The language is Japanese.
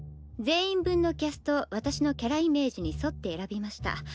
「全員分のキャストを私のキャライメージに沿って選びました。